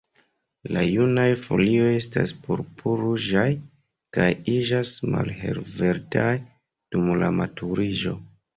La junaj folioj estas purpur-ruĝaj, kaj iĝas malhelverdaj dum la maturiĝo.